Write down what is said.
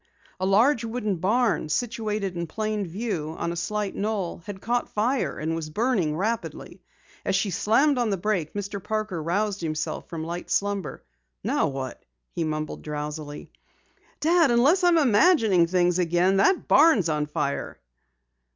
A large wooden barn, situated in plain view, on a slight knoll, had caught fire and was burning rapidly. As she slammed on the brake, Mr. Parker aroused from light slumber. "Now what?" he mumbled drowsily. "Dad, unless I'm imagining things again, that barn is on fire!"